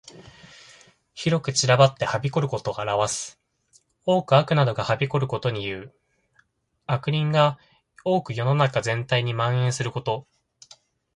広く散らばってはびこることを表す。多く悪などがはびこることにいう。悪人が多く世の中全体に蔓延ること。